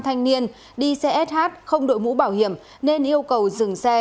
thanh niên đi xe sh không đội mũ bảo hiểm nên yêu cầu dừng xe